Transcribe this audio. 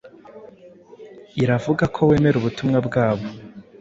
iravuga ko wemera ubutumwa bwabo